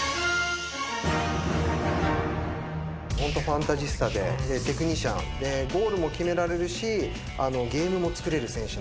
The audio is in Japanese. ファンタジスタでテクニシャンでゴールも決められるしゲームもつくれる選手。